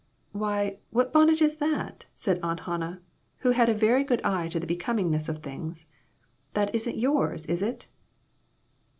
"Why, what bonnet is that?" said Aunt Han nah, who had a very good eye to the becoming ness of things. "That isn't yours, is it